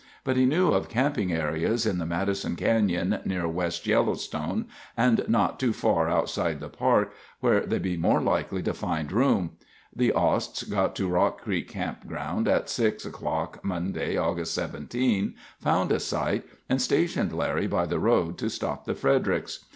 But, he knew of camping areas in the Madison Canyon, near West Yellowstone, and not too far outside the park where they'd be more likely to find room. The Osts got to Rock Creek Campground at 6 o'clock Monday, August 17, found a site, and stationed Larry by the road to stop the Fredericks.